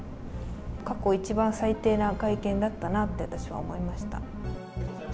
過去一番最低な会見だったなって、私は思いました。